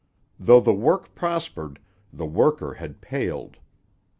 Though the work prospered, the worker had paled.